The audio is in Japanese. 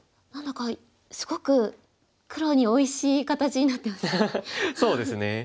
何だかすごく黒においしい形になってますね。